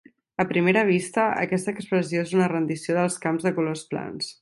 A primera vista, aquesta expressió és una rendició dels camps de colors plans.